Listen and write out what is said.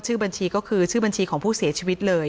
บัญชีก็คือชื่อบัญชีของผู้เสียชีวิตเลย